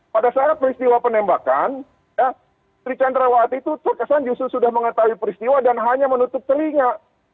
pada saat peristiwa penembakan putri candrawati itu terkesan justru sudah mengetahui peristiwa dan hanya menutup telinga